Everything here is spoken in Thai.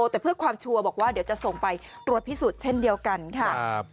แต่เพื่อความชัวร์บอกว่าเดี๋ยวจะส่งไปตรวจพิสูจน์เช่นเดียวกันค่ะ